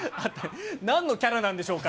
なんのキャラなんでしょうか。